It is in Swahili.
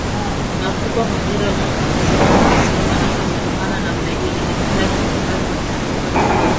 nakupa hongera kwa sababu kusimama na kusukumana namna hii inahitaji ni kazi inataka juhudi